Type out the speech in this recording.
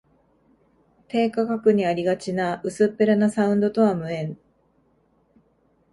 低価格にありがちな薄っぺらなサウンドとは無縁